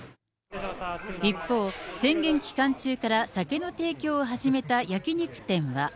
一方、宣言期間中から酒の提供を始めた焼き肉店は。